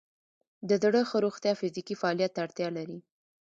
د زړه ښه روغتیا فزیکي فعالیت ته اړتیا لري.